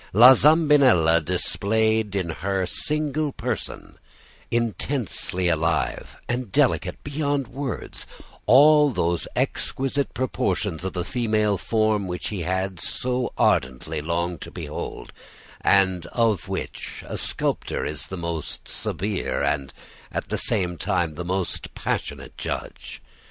La Zambinella displayed in her single person, intensely alive and delicate beyond words, all those exquisite proportions of the female form which he had so ardently longed to behold, and of which a sculptor is the most severe and at the same time the most passionate judge.